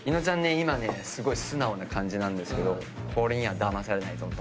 今ねすごい素直な感じなんですけどこれにはだまされないぞと。